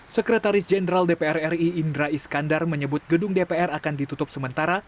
sekretaris jenderal dpr ri indra iskandar menyebut gedung dpr akan ditutup sementara